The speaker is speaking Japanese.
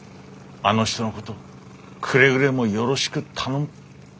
あの人のことくれぐれもよろしく頼む」。